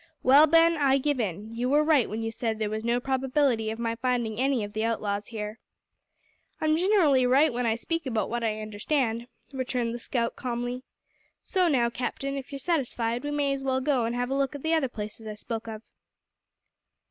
"Well, Ben, I give in. You were right when you said there was no probability of my finding any of the outlaws here." "I'm ginerally right when I speak about what I understand," returned the scout calmly. "So now, Captain, if you're satisfied, we may as well go an' have a look at the other places I spoke of."